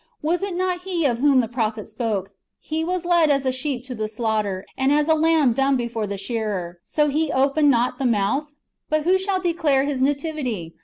Was it not He of whom the prophet spoke: '^ He was led as a sheep to the slaughter, and as a lamb dumb before the shearer, so He opened not the mouth?" "But who shall declare His nativity?